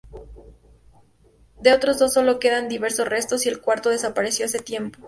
De otros dos sólo quedan diversos restos y el cuarto desapareció hace tiempo.